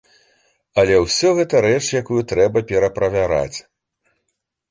Але ўсё гэта рэч, якую трэба пераправяраць.